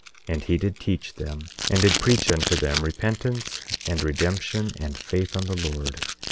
And he did teach them, and did preach unto them repentance, and redemption, and faith on the Lord.